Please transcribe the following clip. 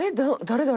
誰？